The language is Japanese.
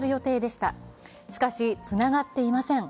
しかし、つながっていません。